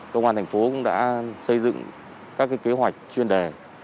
công an thành phố cũng đã xây dựng các kế hoạch chuyên đề